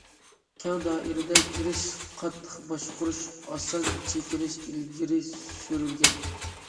كەڭ دائىرىدە كىرىش، قاتتىق باشقۇرۇش، ئاسان چېكىنىش ئىلگىرى سۈرۈلگەن.